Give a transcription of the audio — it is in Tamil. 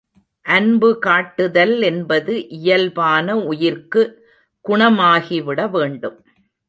அன்பு காட்டுதல் என்பது இயல்பான உயிர்க்கு குணமாகிவிடவேண்டும்.